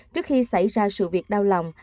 trước khi xảy ra sự việc đau lòng